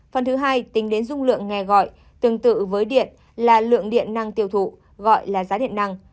phần thứ hai tính đến dung lượng nghe gọi tương tự với điện là lượng điện năng tiêu thụ gọi là giá điện năng